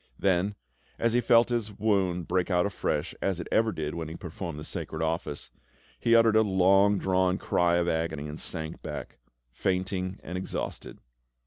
Then, as he felt his wound break out afresh, as it ever did when he performed the sacred office, he uttered a long drawn cry of agony and sank back, fainting and exhausted.